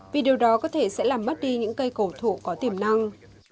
vì điều đó có thể sẽ làm mất đi những cây cổ thụ có tiềm năng